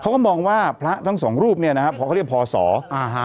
เขาก็มองว่าพระทั้งสองรูปเนี่ยนะครับพอเขาเรียกพอสออ่าฮะ